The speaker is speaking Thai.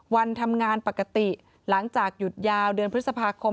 วันทำงานปกติหลังจากหยุดยาวเดือนพฤษภาคม